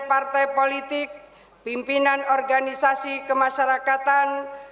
partai politik pimpinan organisasi kemasyarakatan para pelaku dunia usaha